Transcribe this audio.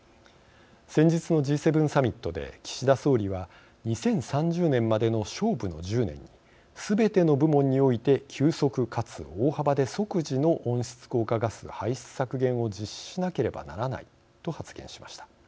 先日のＧ７サミットで岸田総理は「２０３０年までの勝負の１０年にすべての部門において急速かつ大幅で即時の温室効果ガス排出削減を実施しなければならない」と発言しました。